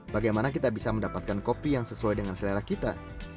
bagaimana kita bisa mendapatkan kopi yang sesuai dengan selera kita